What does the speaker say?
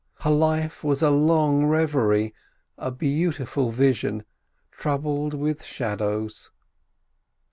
Her life was a long reverie, a beautiful vision—troubled with shadows.